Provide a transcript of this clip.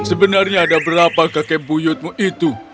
sebenarnya ada berapa kakek buyutmu itu